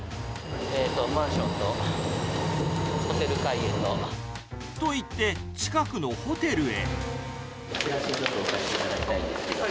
マンションとホテルと。と言って、近くのホテルへ。